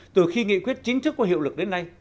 từ khi nghị quyết chính thức có hiệu lực đến nay